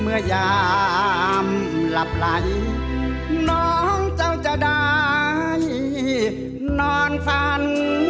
ยามหลับไหลน้องเจ้าจะได้นอนฝัน